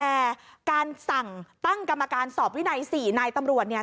แต่การสั่งตั้งกรรมการสอบวินัย๔นายตำรวจเนี่ย